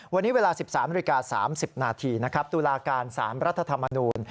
วันนี้เวลา๑๓๓๐นาทีตุลาการ๓รัฐธรรมนูญ